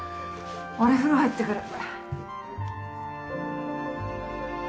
俺風呂入ってくる。